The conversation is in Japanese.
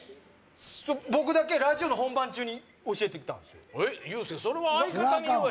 僕だけラジオの本番中に教えてきたんですよえ